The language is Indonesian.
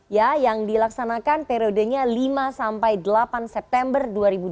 ya yang dilaksanakan periodenya lima sampai delapan september dua ribu dua puluh